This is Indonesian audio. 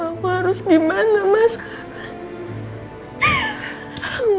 aku harus gimana ma sekarang